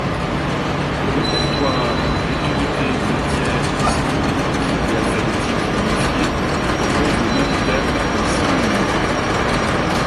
Le Répertoire d’autorité matière encyclopédique et alphabétique unifié propose le même terme comme synonyme.